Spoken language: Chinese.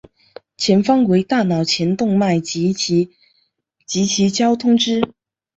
前方为大脑前动脉及其交通支。